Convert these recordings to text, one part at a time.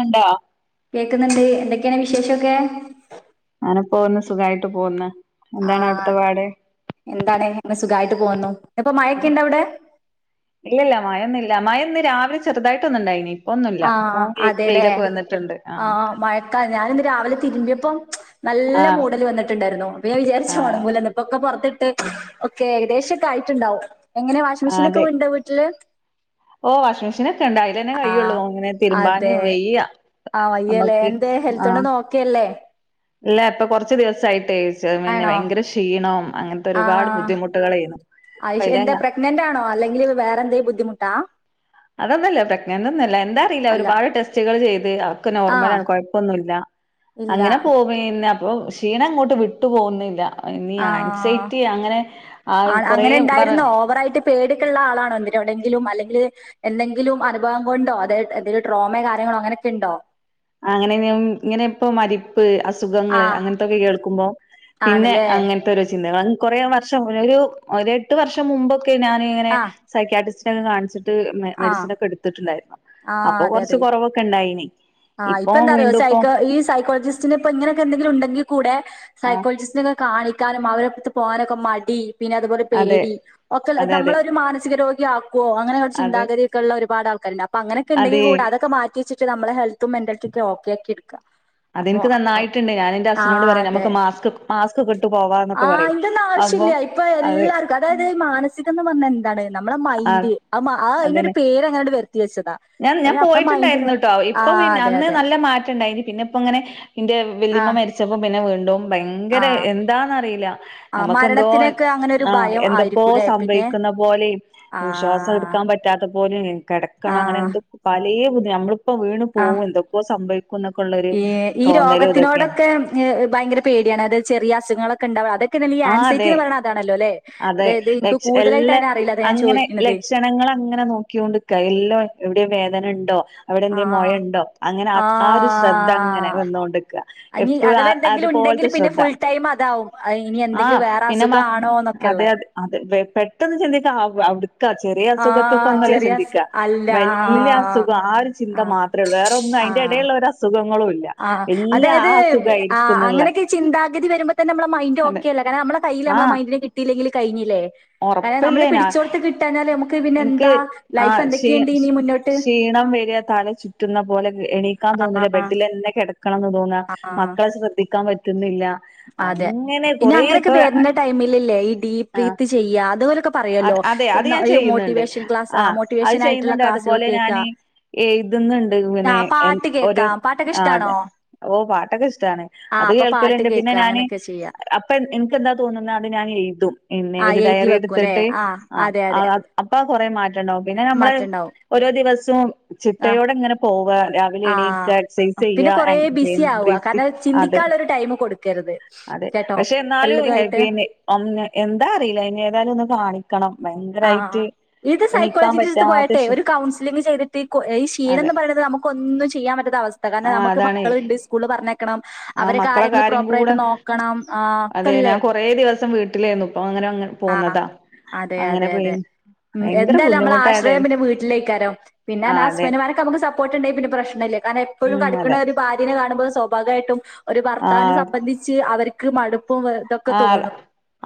ണ്ടോ കേക്കുന്നുണ്ട് എന്തൊക്കെയാണ് വിശേഷമൊക്കെ അനെ പോന്ന് സുഖമായിട്ട് പോകന്ന് ആ എന്താണ് അവിടുത്തെ പാട് എന്താണ് ഇങ്ങനെ സുഖമായിട്ട് പോകന്നുന്നു ഇപ്പൊ മയക്കെുണ്ട അവിടെ ഇല്ല ഇല്ല മഴമന്നും ഇില്ല മഴമന്ന് രാവിലെ ചെറുതായിട്ട്ൊന്നുണ്ടായിനി ഒന്നുമല്ല ആ അപ്പൊ അതെല്ലേ വെയിലൊക്കെ വന്നിട്ടുണ്ട് ആ ആഹ് മഴക്കാ ഞാനിന്ന് രാവിലെ തിരുമ്പിയപ്പം നല്ല ആഹ് മൂടൽ വന്നിട്ടുണ്ടായിരുന്നു അപ്പൊ ഞാ വിചാച്ചോണ് ആഹ് മൂലന്ന ഇപ്പൊക്കെ പുറത്തിട്ട് ഓക്കെ ഏകദേശംൊക്കെ ആയിട്ടുണ്ടാവും എങ്ങനെ വാഷിംഗ മെഷീൻ ഒക്കെ അതെ വീണ്ടോ വീട്ടില് ഓ വാഷി് മെീൻ ഒക്കെണ്ട അലന്നെ ആ കൈയുള്ളൂ അനെ അതെ ആഹ് വയ്യല്ലേ നമ്മക്ക് എന്തെ ഹെൽത്ത് കൊണ്ട് ആഹ് ഒന്നും ഒക്കെ അല്ലെ ഇല്ല ഇപ്പൊ കുറച്ച്ു ദിവസായിട്ട് പിന്നെ ആണോ ഭയങ്കര ക്ഷീണവും അങ്ങനത്തെ ഒരുപാട് ബുദ്ധിമുട്ടുകൾായിരുന്നു അത്ശേരി എന്താ പ്രഗ്നന്റ് ആണോ അല്ലെങ്കിൽ വേറെന്തെും ബുദ്ധിമുട്ടാ അതൊന്നുമല്ല പ്രഗ്നൻ്റ് ഒന്നുംല്ല എന്താ അറിയില്ല അല്ല ഒരുപാട് ടെസ്റ്റുകൾ ചെയ്ത് ഒക്കെ ആ നോർമൽ ആണ് കുഴപ്പമൊന്നും ഇല്ല ഇല്ല പിന്നെ അപ്പൊ ക്ഷീണം ഇങ്ങോട്ട് വിട്ടു പോകുന്നില്ല ഇനി ആഹ് ആൻസൈറ്റി അങ്ങനെ ആഹ് കൊറേ പറ പേടിക്ക ആളണോ എന് ഉണ്ടെങ്കിലും അല്ലെങ്കിൽ എന്തെങ്കിലും അനുഭവം കൊണ്ടോ അതായത് എന്തെലും ട്രോമോ കാര്യങ്ങളോ അങ്ങനെയൊക്കെ ഉണ്ടോ അങ്ങനെ ഇങ്ങനെ ഇപ്പ മരി അസുഖങ്ങള് ആഹ് അങ്ങനത്തൊക്കെ കേൾക്കുമ്പോൾ പിന്നെ ആണ്ല്ലേ അങ്ങനെ ല്ലാതെ ഒരു ചിന്തകൾ കുറെേ വർഷം ഒരു എട്ട് വർഷം മുമ്പൊക്കെ ഞാന ഇങ്ങനെ ആഹ് സൈക്കയാറ്റിസ്റ്റിനൊക്കെ കാണിച്ചിട്ട് ആഹ് മെഡിസിന ഒക്കെ എടുത്തിട്ടുണ്ടായിരുന്നു അപ്പൊ കൊറച്ച് കുറവൊക്കെ ഉണ്ടായിന ആഹ്പ്പപ്പോ എന്താറയോ സൈക്ക ഈ സൈക്കോളജിസ്റ്റി ഇപ്പൊ ഇങ്ങനെൊെ എന്തെങ്കിലും ഉണ്ടെങ്കിൽൂടെ ആ സൈക്കോളജിസ്റ്റിനൊെ കാണിക്കാനും അവരപ്പടുത്ത് പോകാനൊക്കെ മടി പിന്നെ അതുപോലെ അതെ പേടി ഒക്കെ അതെ അതെ നമ്മളൊ ഒരു മാനസിക രോഗിയ ആക്കുവോ അങ്ങനെ അതെ ചിന്താഗതി ള്ള ഒരുാ ആൾക്കരുണ്ട് അങ്ങനൊെണ്ടെിൽ അതെ കൂ അതൊക്കെറ്റ വെി് നമ്മെ ഹെത്തും മെന്റലത്തും ഒെ ഓക്ക ആക്കി എക്കാം അതെനിക്ക് നന്നായിട്ടുണ്ട് ഞാൻ എൻന്റെ അഛനോട് ആഹ് പറയായും അതെ. നമുക്ക് മാസ്ക് മാസ്ക് കെട്ടു പോവാന്നൊക്കെ ആഹ് പറയും അയിന്റൊന്നും അപ്പോ ആവശ്യല്ല. ഇപ്പൊ അതെ എല്ലാർക്കും അതായത് ഈ മാനസികം എന്ന് പറഞ്ഞാ എന്താണ് നമ്മളെ മൈന്ഡ് ആ അതിനൊരു അതന്നെ പേര്ങ്ങനെോട് വരുത്തി വെച്ചതാ ഞാൻ അത് ഞാൻ നമ്മെ മൈന്ഡ പോയിട്ടുണ്ടായിരുന്നു ഇപ്പൊ പിന്നെ അന്ന് നല്ല മാറ്റം ഉണ്ടായിന് പിന്നെ ഇപ്പോ ഇങ്ങനെ ഇന്റെ വല്ലയമ്മ ആഹ് മരിച്ചപ്പോ പിന്നെ വീണ്ടും ഭയങ്കര ആഹ് എന്താന്നറിയില്ല ആഹ് നമക്കെന്തോ മരണത്തിനൊക്കെ അങ്ങനൊരു ആഹ് ഭയം എന്തൊക്കോ ആയിരിക്കുംല്ലേ പിന്നെ? സംഭവിക്കുന്ന പോലെ ശ്വാസം ആഹ് എടുക്കാൻ പറ്റാത്ത പോലും കിടക്കണോ അങ്ങനെ ആഹ് എന്തൊക്ക പലയ ബുദ്ധി നമ്മ ഇപ്പൊ വീണ് ആഹ് പോകും എന്തൊക്കെയോ സംഭവിക്കും എന്നൊക്കെ ഉള്ളരു തോന്നലും ഇതൊക്കെയാണ് എനിക്ക് ഭയങ്കര പേടിയാണ് അത് ചെറിയ അസുഖങ്ങളൊക്കെ ഉണ്ടാകുക അത് [unintelligible] ഈ ആ ആൻസൈറ്റി അതെ എന്ന് പറയുന്നത് അതാണലൊലെ അതെ അതായത് എനിക്ക് കൂടുതലായിട്ട് അതിനെ അറിയില്ല അതാ ഞാൻ ചോദിക്ക്ണത് ജനങ്ങളെ അങ്ങനെ നോക്കിക്കൊണ്ട്ക്ക എല്ലാം എവിടെ വേദന ഉണ്ടോ അവിടെ എന്തേും ആഹ് മൊഴണ്ടോ അങ്ങനെ ആ ഒരു ശ്രദ്ധ അങ്ങനെ ആഹ് വന്നൊണ്ട്ക്ക ഇനി എപ്പൊയും അഥവാ എന്തെങ്കിലും ഉണ്ടെങ്കിൽ അതുപോലത്തെ പിന്നെ ശ്രദ്ധ ഫുൾ ടൈം അതാവും ഇനി എന്തെങ്കിലും ആഹ് വേറെ പിന്നെ അസുഖ മ ആണോന്നൊക്കെ അതെ ഉള്ളേ അതെ അതെ പെ പെട്ടെന്ന് ചിന്തിക്കാ അ അവിടുക്കാ ചെറിയ ആ അസുഖത്തുക്കൊ ഒന്നുല്ലേ ചെറിയ അസ് ചിന്തിക്കാ അല്ല വല്യയ അസുഖം ആ ഒരു ചിന്ത മാത്രമേ ഉള്ളൂ വേറെന്നും അതിന്റെ എടലുള്ള ഒരു അസുഖങ്ങളും ഇല്ല ആഹ് വല്യ അതായത് ആ ആ അസുഖായിരിക്കും എന്നുള്ള അങ്ങനെയൊക്കെ ചിന്താഗതി വരുമ്പോ തന്നെ നമ്മളെ മൈഡ് അതെ ഓക്കെല്ല കാരണം നമ്മളെ കൈയ്യില് നമ്മളെ ആഹ് മൈഡിന കിട്ടിയില്ലങ്കിൽ കഴിഞ്ഞില്ലേ കാരണം നമ്മള് ഉറപ്പല്ലേ ഞാൻ പിടിച്ചോടുത്ത് കിട്ടഞ്ഞാല് നമുക്ക് പിന്നെ എനിക്ക് എന്താ ആ ലൈഫ് ക്ഷീ എന്തൊക്കെയുണ്ട് ഇനി മുന്നോട്ട് [unintelligible] തല ചുറ്റുന്ന പോലെ ഇക്ക് എണി ക്കാൻ ആ തോന്നുല്ല ബെഡിലെ ന്നെ കിടക്കണം ന്ന് തോന്ന ആ മക്കളെ ശ്രദ്ധിക്കാൻ പറ്റുന്നില്ല അതെ അങ്ങനെ ഇനി കൊറേ അങ്ങനെയൊക്കെ ഇപ്പൊ വെര്ണെ ടൈമിൽല് ല്ലേ ഈ ബി ആ ബ്രീത്ത്ചെയ്യ അതുപോലെക്കെ അത് അതെ അത് ഞാൻ ചെയ്യുന്നുണ്ട് ക്ലാസ് ആ അത് മോട്ടിവേഷൻ ആയിട്ടുള്ള ചെയ്യുന്നുണ്ട് ക്ലാസ്സുകൾ അതുപോലെ കേൾക്കാ ഞാന് എഴുതുന്നുണ്ട് ആ പിന്നെ എൻ പാട്ട് ഒരു കേക്കാം പാട്ടൊക്കെ ആ അതെ ഇഷ്ടാണോ ഓ പാട്ടൊക്കെ ഇഷ്ടണ് ആ അത് അപ്പൊ പാട്ട് കേൾക്കലുണ്ട് പിന്നെ പിന്നെ കേൾക്കാ ഞാന് അങ്ങനെയൊക്കെ ചെയ്യാ അപ്പൊ ഇൻക്ക് എന്താ തോന്നുന്നത് അത് ഞാൻ എഴുതും പിന്നെ ആ ഒരു എഴുതി ഡയറി എടു വെക്കും അല്ലെ ത്ത്ട്ട് ആ അതെ ആ അതെ അപ്പൊ കൊറെ മാറ്റംണ്ടാവും പിന്നെ നമ്മള് മാറ്റണ്ടാവും ഓരോ ദിവസവും ആ ചിട്ടയോടെങ്ങനെ പോവ ര ത്ര ആ എണീക്ക എക്സസൈസ് ചെയ്യ പിന്നെ കൊറേ ബിസി ആവുക കാരണം [unintelligible] അതെ ചിന്തിക്കാനുള്ള ഒരു ടൈം കൊടുക്കരുത് അതെ കേട്ടോ പക്ഷെ എന്നാലും എ എല്ലതുമായിട്ട് പിന്നെ എന്താ അറിയില്ല ഏതായാലും ഒന്ന് കാണിക്ക ആഹ് ഇത് എണീക്കാൻ സൈക്കോളജിത്ത് പറ്റാത്ത പോയിട്ടെ ക്ഷീ ഒരു കൗൺസിലിംഗ ചെയ്ത് ഈ ക്ഷീണ അതെ എന്ന് പറയുന്നത് നമുക്ക്‌ ഒന്നും ചെയ്യാൻ പറ്റാത്ത അവസ്ഥ ആ കാരണം നമുക്ക് മക്കളുണ്ട് സ്കൂൽ പറഞ്ഞയക്കണം ആഹ് മക്കളെ കാര്യം കൂടെ ആഹ് അതെ ഒക്കല്ലേ ഞാൻ കൊറേ ദിവസം വീ ട്ടി ലെനു ഇപ്പ അങ്ങനെ അങ്ങ പോന്നതാ അതെ അങ്ങനെ അതെ പോയി അതെ ഉം ഭയങ്കര എന്തായാലും നമ്മളെ ആശ്രയം ബുദ്ധിമുട്ടായതായിരുന്നു പിന്നെ വീട്ടിലേക്കാരാം പിന്നെ ആ ഹസ്ബൻഡ് മാരൊക്കെ നമ്മുക്ക് സപ്പോർട്ട്ണ്ടങ്കി പിന്നെ പ്രശ്നല്ല കാരണം എഴും ഉം അതെ കടക്ക്‌ണരു ഭാര്യനെ കാണുമ്പോൾ സ്വാഭാവമായിട്ടും ഒരു ആ ഭർത്താവിനെ സംബന്ധിച്ച് അവർക്ക് മടുപ്പും വെ ഇതൊക്കെ ആ തോന്നും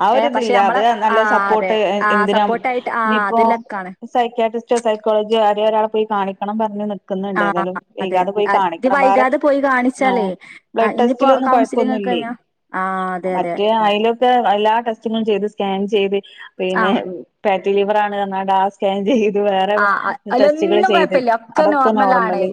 ആ ഏഹ് പക്ഷെ ഒരിതില്ല അത് നമ്മളെ നല്ല ആഹ് അതെ സപ്പോർട്ട് ആ സപ്പോർട്ട് ആയിട്ട് ആ അതിലൊക്കാണ് സൈക്കാറ്റിസ്റ്റോ സൈക്കോളജിയോ ആരെ ഒരാളെ പോയി കാണിക്കണം പറഞ്ഞു ആഹ് അതെ ഇത് വേറെ വൈകാതെ പോയി ആഹ് കാണിച്ചാലേ ബ്ലഡ് ഇനിപ്പോ ടെസ്റ്റിലൊന്നും കൗൺസിലിംഗ് ഒക്കെ കൊഴപ്പൊന്നുല്ലേ ഞാൻ ആഹ് അതെ അതെ മറ്റേ അയിലൊക്കെ എല്ലാ ടെസ്റ്റുകളും ചെയ്ത് സ്കാൻ ചെയ്ത് പിന്നെ ആഹ് ഫാറ്റിലിവർ ആണ് പറഞ്ഞ്ണ്ട് ആ സ്കാൻ ചെയ്തു വേറെ ആഹ് ടെസ്റ്റുകള് അതിലൊന്നും ചെയ്തു കൊഴപ്പില്ല ഒക്കെ അതൊക്കെ നോർമല്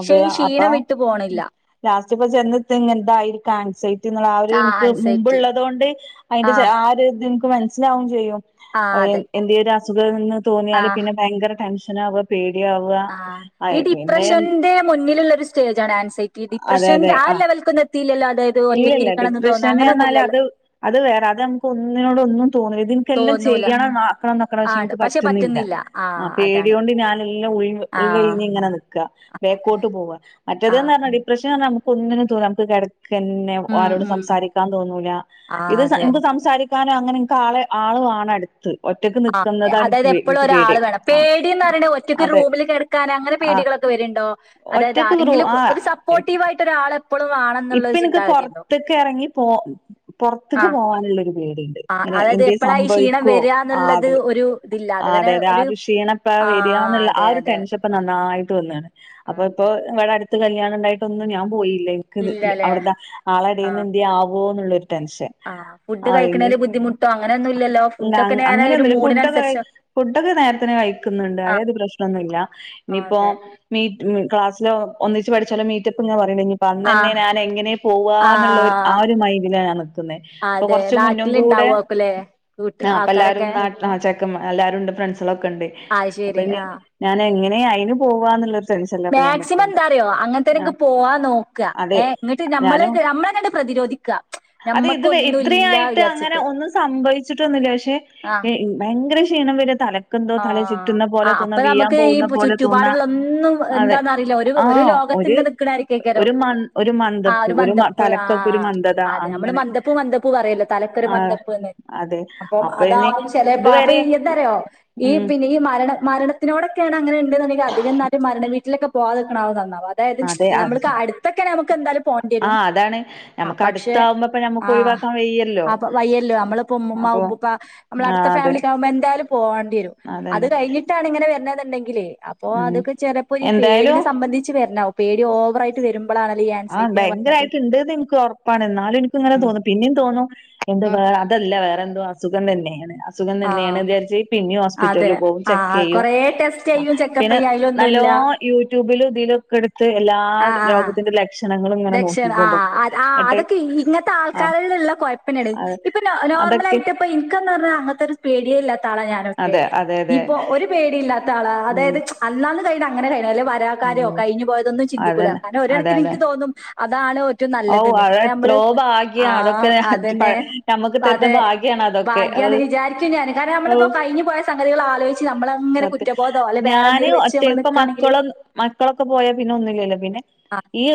അ അപ്പൊ ട്ട് പോണില്ല ലാസ്റ്റ്പ്പോ ചെന്നെതാ എന്തായിരിക്കാം ആൻസൈറ്റി എന്നുള്ള ആര് ആഹ് എനിക്ക് ഉം ആൻസൈറ്റി ഉള്ളതുകൊണ്ട് അതിന്റെ ആഹ് ആ ഒരു ഇത് നിക്ക് മനസ്സിലാവും ചെയ്യും ആഹ് അതെ എന്തേ ഒരു അസുഖം എന്ന് തോന്നിയാല് ആഹ് പിന്നെ ഭയങ്കര ടെൻഷനാവുക പേടിയാവുക ആഹ് അ ഈ പിന്നെ ഡിപ്രഷന്റെ മുന്നിലുള്ള ഒരു സ്റ്റേജ് ആണ് ആൻസൈറ്റി അതെ ഡിപ്രഷന്റെ ആ ലെവൽക്കൊന്നു എത്തില്ലല്ലോ അതായത് ഒറ്റ ഇല്ല ഡിപ്രഷൻന് പറഞ്ഞല് അത് അത് വേറെ അത് നമുക്ക് ഒന്നിനോട് ഒന്നും തോന്നുല്ല ഇത് ഇൻക്ക് എല്ലാം തോന്നൂല ചെയ്യണം ആക്കണം നോക്കെണ്ട് പക്ഷെ ആണ് എനിക്ക് പറ്റുന്നില്ല ആ ആഹ് അതാണ് പേടികൊണ്ട് ഞാന് എല്ലാം ഒഴിവ് ഉൾ ആഹ് ഒഴിഞ്ഞ് ഇങ്ങനെ നിക്ക ബേക്കോട്ട് പോവാ മറ്റേന്ത്‌ന് ആഹ് പറഞ്ഞാ ഡിപ്രഷൻ പറഞ്ഞാൽ ഒന്നിനും തൊനുല്ല നമുക്ക് കിടക്കന്നെ ഉം ആരോടും ഉം സംസാരിക്കാൻ തോന്നൂല ഇത് ആഹ് അതെ ഇന്ക്ക്‌ സം സംസാരിക്കാനോ അങ്ങനെെ ഇൻക്ക് ആളെ ആള് വാണം അടുത്ത് ഒറ്റക്ക് ആഹ് നിക്കുന്നതാണ് അതായത് എനിക്ക് എപ്പളും എനിക്ക് ഒരാള് പേടി വേണം ആ പേടിയെന്ന് പറയണഹ് ഒറ്റയ്ക്ക് ഒര് അതെ റൂമില് കെട് ക്കാന് അങ്ങനെ ആ പേടികളൊക്കെ വെര്ണ്ടോ അതായത് ഒറ്റക്ക് റൂ ആരെങ്കിലു ക്ക്‌ ആ ഒരു സപ്പോർട്ടീവ് ആയിട്ട് ഒരാളെ എപ്പളും വാണംന്ന് ഇപ്പ ഇന്ക്ക് പൊറത്ത്ക്ക്‌ എറങ്ങി പോ ആ പൊറത്ത്ക്ക് പോവാന്ള്ള ഒരു പേടി ഇണ്ട് ആ ഇങ്ങനെ അതായത് എന്തേയ് എപ്പോഴാ ഈ ക്ഷീണം സംഭവിക്കോ വരിക ആഹ് എന്നുള്ളത് അത് ഒരു ഇതില്ല അതങ്ങനെ അതെ അതെ ആ ഒരു ക്ഷീണ പ്പളാ ആ വെര്യാ ന്ന് ള്ള ആ അതെ ഒരു അതെ ടെൻഷൻ ഇപ്പ നന്നായിട്ട് വന്ന്ണ് അപ്പൊ ഇപ്പൊ അതെ ഇവടെ അടുത്ത് കല്യാണം ഇണ്ടായിട്ട് ഒന്നും ഞാൻ പോയില്ല്യ ഇൻ ക്ക്‌ ത് ഇത്‌ ഇല്ലല്ലേ അവിട്ന്നാ ആളെ എടീന്ന് എന്തേയ് ആവോന്ന്ള്ളൊരു ടെൻഷൻ ആഹ് ഫുഡ് ആ ഇനി കഴിക്ക്‌ണേല് ബുദ്ധിമുട്ടോ അങ്ങനെയൊന്നു ഇല്ലല്ലോ ഇല്ല അ ഫുഡ്ഒക്കെ ഞാന് അഹ് ഒരു അങ്ങനെയൊന്നുമില്ല ഫുഡൊക്കെ മൂഡ്നൻസെര്ച്ചാ ഫുഡൊക്കെ നേരത്തിന് കഴിക്ക്‌ന്ന്ണ്ട് ആ കാര്യത്തിൽ പ്രശ്നൊന്നു ഇല്ല ആ, ഇനിയിപ്പോ അതെ മീറ്റ് ന്ന് ക്ലാസിലൊ ഒന്നിച്ച് പഠിച്ചോലെ മീറ്റപ്പ് ങ്ങനെ പറീണ്ട് ഇഞ്പ്പാ അ ആ ന്നെന്നെ ഞാന് എങ്ങനെ ആ പോവാന്ന്ള്ളൊര് ആ ഒരു മൈൻഡിലാ ഞാൻ നിക്ക്‌ന്നഹ് ഇപ്പൊ അതെ കൊർച്ച് മുന്നും കൂടെ നാട്ടിലുണ്ടാവുമാക്കൂലേ കൂട്ട് ആഹഹ് അപ്പൊ എല്ലാരും ആൾക്കാരൊക്കെ നാട്ട് ആഹ് ചെക്കമ്മാ എല്ലാരുംണ്ട് ഫ്രണ്ട്സുകളൊക്കെ ഇണ്ട് ആ അപ്പൊ ശരി ഇൻന് ആ ഞാൻ എങ്ങനെ അയിന് പോവാന്ന്ള്ളൊരു ടെന്ഷൻലാപ്പൊ ഞാൻ മാക്സിമം നിക്ക്‌ന്ന് എന്താ അറിയോ അങ്ങനത്തേനൊക്കെ ആഹ് പോവാൻ നോക്ക് അതെ ഞാനും പ്രതിരോധിക്കുക അതെ ഇത് വെ ഇത്രി ഞമ്മക്കൊന്നുമില്ല ആയിട്ട് അങ്ങനെ വിചാരിച്ചിട്ട് ഒന്നും സ സംഭവിച്ചിട്ടൊന്നുല്ല പക്ഷെ ഇ ഭയങ്കര ക്ഷീണം വെരാ തല ആഹ് ചുറ്റുന്ന പോലെ അഹ് തോന്നാ അപ്പൊ വീഴാൻ ഞമ്മക്ക് ഈ പോകുന്ന പോലെ തോന്നാ ചുറ്റുപാട്ള്ള ഒന്നും അതെ എന്താന്ന് അറീല ഒരു ആ ഒരു ലോകത്ത് ഒരു ഇങ്ങനെ ക്ക്‌ ണ്ട് ആര്ക്കെയ്ക്കാരം ഒരു മ ഒരു ആ മന്ദപ്പ് ഒരു മന്തപ്പ് തലക്കൊക്കെ ഒരു ആഹ് മന്ദത അതെ നമ്മള് അങ്ങനെ മന്തപ്പ് മന്തപ്പ് പറയല് ല്ലോ തലക്കൊരു ആ മന്തപ്പ്ന്ന് അതെ അപ്പം അപ്പൊ ഇനി അതാകും ചെലേപ അപ്പൊ ഇതുവരെ ഈ എന്താറിയൊ ഈ ഇത്‌ ഉം പിന്നെ ഈ മരണ മരണത്തിനോടെക്കേണ് അങ്ങനെ ഇണ്ട്ന്ന്ണ്ടെങ്കി അധികം മായിട്ട് മരണം വീട്ടിലൊക്കെ പോവാതെ നക്ക്‌ണാവും ന്നന്നാവാ അതായത് അതെ അത് നമ്മൾക്ക് അട്ത്തൊക്കെ ആണെ നമുക്ക് എന്തായാലും ആ പോണ്ട്യെരും അതാണ് ആഹ് നമുക്ക് പക്ഷെ അടുത്താവുമ്പോ ഇപ്പൊ നമുക്ക് ആഹ് ഒഴിവാക്കാൻ വയ്യല്ലോ അപ്പ വയ്യല്ലോ അമ്മള് പ്പൊ ഉമ്മുമ്മ അപ്പൊ ഉപ്പുപ്പാ അമ്മളെ ആ അട്ത്ത അതെ ഫാമിലി ഒക്കെ ആവുമ്പോ എന്തായാലും പോവണ്ടി വെരും അത് അതന്നെ കഴിഞ്ഞിട്ടാണ് ഇങ്ങനെ വെര്ന് ന്ന്ണ്ടെങ്കില് അപ്പൊ ഉം അതൊക്കെ ചെലപ്പൊരീ പേടിനെ എന്തായാലും സംബന്ധിച്ച് വെര്ണാവും പേടി ഓവറായിട്ട് വെരും ആഹ് ഭയങ്കരായിട്ട് ഇണ്ട്ന്ന് ഇൻക്കൊറ പ്പാണ് ഇന്നാലും ഇൻക്ക് ഇങ്ങനെ ഉം തോന്നും പിന്നിം തോന്ന എന്താ ഉം വേ അതല്ല വേറെ എന്തോ അസുഖം തന്നേണ് അസുഖം ആഹ് തന്നേണ്ന്ന് വിചാരിച്ച് പിന്നിം അതെ ഹോസ്പിറ്റൽല് പോവും ആഹ് ചെക്കെയ്യും കൊറേ ടെസ്റ്റ് അഹ് ചെയ്യും ചെക്കപ്പ് പിന്നെ ചെയ്യും അതിലൊന്നുല്ല നല്ലോം യൂട്യൂബിലും ഇതിലൊക്കെ എട്ത്ത് എല്ലാ രോഗത്തിന്റെ ലക് ലക്ഷണ ആഹ് അത് ആഹ് അതൊക്കെ ഇങ്ങത്തെ ആഹ് ആൾക്കാരേല്ള്ള കൊഴപ്പെന്നേണ് അഹ് ഇപ്പൊ നോ അതൊക്കെ നോർമലായിട്ട് ഇപ്പ ഇൻക്ക്ന്ന് പർഞ്ഞാ അങ്ങത്തൊരു പേടിയെ ഇല്ലാത്ത ആളാണ് ഞാനൊക്കെ അതെ അതെ അതെ ഇനിയിപ്പോ ഒര് പേടില്ലാത്ത ആളാ ഉം അതായത് അന്നാന്ന് കഴിണെഹ് അങ്ങനെ കഴിയേണം വല്ലാ വാ രാക്കാര്യോ ഉം കഴിഞ്ഞ് പോയതൊന്നും ചിന്തിക്കൂല്ല അതന്നെ കാരണം ഒര് അതെ കണക്കിന് അതെ ഇൻക്ക് തോന്നും അതാണ് ഓറ്റവും ഔ നല്ലത്ന്ന് ഇപ്പോ അത് എത്രോ ഞമ്മള് ഭാഗ്യാ അതൊക്കെ ആഹ് അതെന്നെ ഞമ്മക്ക് തരുന്ന അതെ ഭാഗ്യാണ് അതൊക്കെ ഭാഗ്യാണ് അത് വിചാരിക്കും ഞാന് കാരണം ഓഹ് നമ്മളിപ്പോ കഴിഞ്ഞ് പോയ സംഗതികൾ ആലോയിച്ച് ഞമ്മളെ ഇങ്ങനെ കുറ്റ് സത്യം ഞാന് ഒറ്റെ ഇപ്പ മക്കളൊന്ന് മക്കളൊക്കെ പോയാ പിന്നെ ഒന്നു ഇല്ലല്ലോ പിന്നെ ഈ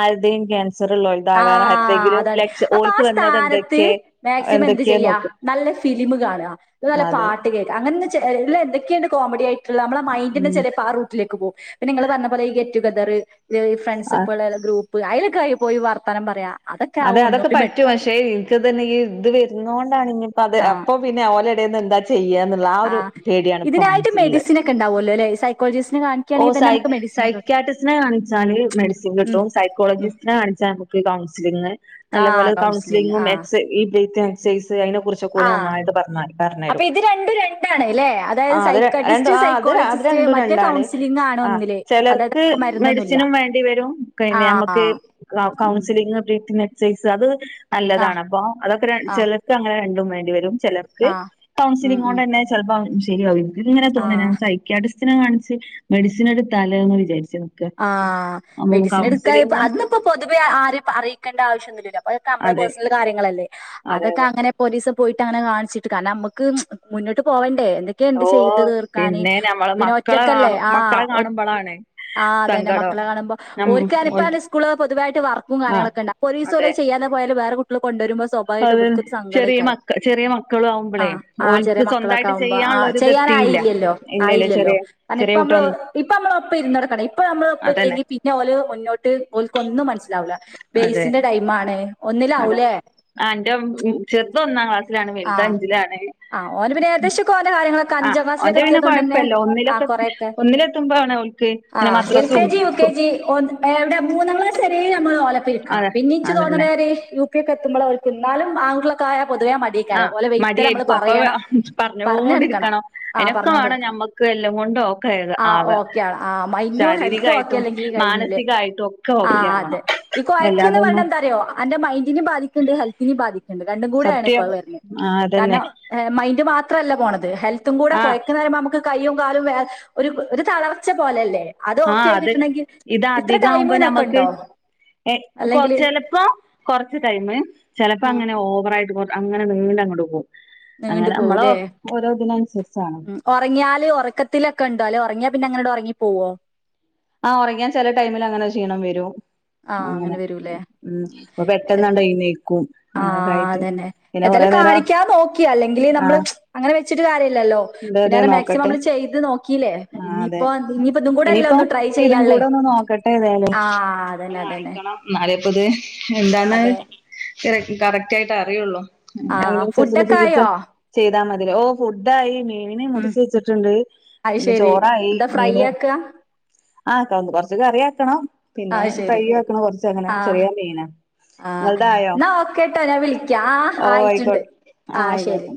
ആര്ടേം ക്യാൻസറ് ള്ളോൽ ത് വേറെ ആഹ് ആര്തെങ്കിലും അതാണ്. ലക്ഷം അപ്പൊ ആ ഓൽക്ക്‌ വന്നത് സ്ഥാനത്ത് എന്തെക്ക്യേ മാക്സിമം എന്ത് ചെയ്യാ എന്തെക്ക്യേന്നോക്കും നല്ല ഫിലിമ് കാണാ അതുപോലെ പാട്ട് കേൾക്കാ അങ്ങനെ ഒന്ന് ചെ ചെ എല്ല അയ്ല് എന്തൊക്കെ ഇണ്ട് കോമഡി ആയിട്ട്ള്ള നമ്മളെ മൈന്റെന്നെ ഉം ചെലേപ്പ ആ റൂട്ടിലേക്ക് പോവും പിന്നെ നിങ്ങള് പറഞ്ഞ പോലെ ഈ ഗെറ്റുഗദറ് ല് ഈ ഫ്രണ്ട്സൊക്കെ ഉള്ള വല്ല ഗ്രൂപ്പ് അയ്ലൊക്കെയി പോയി വാർത്താനം പറയാ അതെ ആവും അതൊക്കെ ഒന്നൂടി പറ്റും ബെറ്റർ ആവും. പക്ഷെ ഇത് ക്ക്‌ തന്നെ ഇ ഇത് വെര്ന്നോണ്ടാണ് ഇഞ്പ്പ അതെ ആഹ് അപ്പൊ പിന്നെ അഹ് ഓലെടേന്ന് എന്താ ചെയ്യാന്ന് ആ ഒരു പേടിയാണ് ഇപ്പ മനസ്സിള്ളത് ക്ക ഉണ്ടാവുമല്ലോ അല്ലേ സൈക്കോജിസ്റ്റനെ കാണിക്കയാണെങ്കി തന്നെ നമുക്ക് മെഡി.. സൈക്റ്റിസ്റ്റിനെ കാണിച്ചാല് മെഡിസിൻ ഉം കിട്ടും. ഉം സൈക്കോളജിസ്റ്റിനെ കാണിച്ചാൽ നമുക്ക് കൗൺസിലിങ് നല്ലപോലെ ആഹ് കൗൺസിലിംഗ് കൗൺസിലിങ്ങും ആഹ് എക്സൈർസൈസ് ഇ ബ്രീത് അതിനെ കുറിച്ച് ചക്കുനെ ആഹ് നന്നായിട്ട അപ്പൊ പറഞ്ഞേരും ഇത് രണ്ടും രണ്ടാണ് അല്ലേ ആ അതായത് അതിനെ രണ്ടു സൈക്കാട്രിസ്റ്റ് ആ അത് സൈക്കോളജിസ്റ്റ് രണ്ടും മറ്റേ രണ്ടാണ് കൗൺസിലിംഗ് ആണ് ആ ഒന്നില് അതായത് ചിലർക്ക് മരുന്നൊന്നുമില്ല മെഡിസിനും വേണ്ടി വരും ആ പിന്നെ ആ നമ്മുക്ക് ഉം കൗൺസിലും പിനെ ബ്രീതിങ് എക്സസൈസ് അത് ആ നല്ലതാണ് അപ്പൊ അതൊക്കെ ആ ചിലർക്ക് അങ്ങനെ രണ്ടും വേണ്ടി വരും ചിലർക്ക് ആ ഉം കൗൺസിലിംഗ ഉം കൊണ്ട് തന്നെ ചെലപ്പോ ശരിയാവുംഇനിക്കും ഇങ്ങനെ ആ തോന്ന സൈക്കാട്രിസിനെ കാണിച്ച് മെഡിസിൻ എടുത്താലോ എന്ന് വിചാരിച്ചാണ് ആഹ് മെഡിസിൻ എടുക്കായപ്പോ അതിപ്പോ പൊതുവേ ആരേം അറിയിക്കേണ്ട ആവശ്യം ഒന്നു മില്ല നമ്മളെ അതെ പഴ്സണൽ കാര്യങ്ങളല്ലെ അതെ അതൊക്കെ അതെ അങ്ങന പോലീസ് പോയിട്ട് അങ്ങനെ കാണിച്ചിട്ട് കാരണം നമുക്ക് മുന്നോട്ട് പോവേണ്ടേ ഒക്കെണ്ട് ഓ ചെയ്ത് തീർക്കാന് പിന്നെ പിന്നെ ഒറ്റക്കല്ലേ ആ മക്കളാണ് ആഹ് അതന്നെ മക്കളെ കാണുമ്പോ ഓൽ ഓരിക്ക്പ്പ സ്കൂള് പൊതുവെ വർക്കും ആ കാര്ങ്ങളക്കെ ഉണ്ട്‌ അപ്പൊ ഒരീസം അതെ ഓല് ചെയ്യാതെ പോയ വേറെ കുട്ടികൾ കൊണ്ടുവരുമ്പോ അത് യിട്ട്ക്ക ചെറിയ സങ്കടിക്കോ മക്ക ചെറിയ മക്കളും ആ ആവുമ്പളേ ആ ചെറിയ ഓൽക്ക് മക്കളൊക്കെ സ്വന്തായിട്ട് ആകുമ്പോ ആ ചെയ്യാനുള്ളൊരിത് എത്തിയില്ല ചെയ്യാനായില്ലല്ലോ ഇല്ലല്ല ആയില്ലല്ലോ ചെറിയ അ ചെറിയ ഇപ്പ നമ്മള് കുട്ടിയൊന്ന് ഇപ്പ നമ്മള ഒപ്പം ഇരുന്ന ഇപ്പ നമ്മഒപ്പം അതന്നെ ഇല്ലെങ്കിൽ പിന്നെ ഓല് മുന്നോട്ട് ഓക്ക് ഒന്നും മനസ്സിലാവില്ല അതെ ബേസിന്റെടൈ മണ് ഒന്നിലാവൂലേ ആ് ചെറുത്ത് ഒന്നാം ക്ലാസ്സിലാണ് വലുത് ആഹ് അഞ്ചിലാണ് ആഹ് ഓന് പിന്നെ ഏകദേശൊക്കെ ഓന്റെ കാര്യങ്ങളൊക്കെ ആ അഞ്ചാം ക്ലാസ്സിലേക്ക് അവന്റെ പിന്നെ എത്തിയത് കൊണ്ട് തന്നെ കൊഴപ്പല്ല ആഹ് ഒന്നിലൊക്കെ കൊറെയൊക്കെ ഒന്നിലെത്തുമ്പോ ആണ അവൾക്ക് ആഹ് L K G U K G ഒന്ന് വിടെ മൂന്നാം ക്ലാസ്സ്‌ വരെ നമ്മള് ഓലോപ്പമിരിക്കണം അതെ പിന്നെ എനിക്ക് അതന്നെ തോന്നണത് ഒക്കെ എത്തുമ്പോളായിരിക്കും അവക്ക് എന്നാലും ആണ്ള്ളക്കായ പൊതുവേ മടിയ ആ ഓലെ വെത്ത നമ്മള് മടിയായിരിക്കും അപ്പൊ പറയണം പറഞ്ഞ എടുക്കണം പറഞ്ഞോണ്ടിരിക്കണം ആ അയിനൊക്കെ പറഞ്ഞൊണ്ട് വേണം എടുക്കണം ഞമ്മക്ക് എല്ലാം കൊണ്ടും ഒക്കെ ആ ആക ഓക്കെ ആണ് ആ മൈന്റും ഹെൽത്തും ഓക്കെ ശാരീരികായിട്ടും അല്ലെങ്കിൽ കഴിഞ്ഞില്ലേ മാനസികായിട്ടും ഒക്കെ ആ് ഓക്കെ അതെ ആവണം ഈ കോയക്ക എന്ന് പറയ എല്ലാതൊന്നും എന്താറയോ എന്റെ മൈന്ഡിനും ബാധിക്കുന്നുണ്ട് ഹെൽത്തിനും ബാധിക്കും രണ്ടും കൂടെ ആണ് ഇപ്പ സത്യം വരുന്നത് ആ അതന്നെ കാരണം മൈന്ഡ് മാത്രല്ല പോണത് ഹെൽത്തും കൂടെ ആ കുറയ്ക്കുന്നയുമ്പോൾ നമുക്ക് കൈയും കാലും വേ ഒരു ഒരു തളർച്ച പോലെല്ലേ ആഹ അത് ഇത് അധിക ആവുമ്പോ ടൈമ്ന്നൊക്കെ നഞമ്മക്ക് ഉണ്ടോ കൊ അല്ലെങ്കില് ചിലപ്പോ കൊറച്ച് കഴിഞ്ഞു ചിലപ്പോ അങ്ങനെ ഓവറായിട്ട് അങ്ങനെ നീണ്ട അങ്ങോട്ട് പോകും നീണ്ടു അങ്ങനെ നമ്മളോ ഓരോ ഇതിനനുസരിച്ചാണ് ഉറങ്ങിയാൽ ഉറക്കത്തിലൊക്കെ ഉണ്ടോ അല്ലേ ഉറങ്ങിയ പിന്നെ അങ്ങോട്ട ഉറങ്ങി പോവോ ആ ഉറങ്ങിയാ ചില ടൈമിൽ അങ്ങനെ ഒരു ക്ഷീണം വരും ആ അങ്ങനെ വരൂലേ ഉ അപ്പൊ പെട്ടെന്ന് അങ്ങ് ഏഴുനേക്കും ആഹ അതന്നെ എന്തായാലും കാണിക്കാ നോക്കിയ അല്ലെങ്കില് ആ നമ്മള് അങ്ങനെ വെച്ചിട്ട് കാര്യില്ലല്ലോ അതെ പിന്നെ അതെ അരെ മാക്സിമം നോക്കട്ടെ നമ്മള് ചെയ്ത് നോക്കീല്ലേ ആ അതെ ഇനിയിപ്പോ ഇനിയിപ്പോ ഇതും കൂടെല്ല ഇനിയിപ്പം ഒന്ന് ട്രൈ ഇതും ചെയ്യല്ലേ കൂടെ ഒന്ന് നോക്കട്ടെ ആഹ അതന്നെ അതന്നെ നളെ ഇപ്പ ഇത് എന്താന്ന് അതെ കറക്റ്റ് ആയിട്ട് അറിയുള്ളൂ ആഹ് അനുസരിച്ചുള്ള ഫുഡൊക്കെ ചികിത്സ ആയോ ചെയ്താ മതി ഓ ഫുഡായി മീന് ഉം മുറിച്ച് വെച്ചിട്ടുണ്ട് അത് പിന്നെ ശരി ചോറായി എന്താ ഫ്രൈ മീന് ആക്കാ ആക്കന്ന് കൊറച്ച കറിയക്കണം പിന്നെ അത് ശരി ഫ്രൈ ആക്കണം കൊറച്ച അങ്ങനെ ആഹ് ചെറിയ മീന ആഹ് എന്നാ ഓക്കെട്ടോ ഞാൻ വിളിക്കാം ഓ ആ ആയിട്ടുണ്ട് ആയിക്കോട്ടെ ആ ആഹ് ശരി ആയിക്കോട്ടെ